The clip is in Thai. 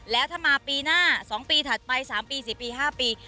แล้วถ้ามาปีหน้าสองปีถัดไปสามปีสี่ปีห้าปี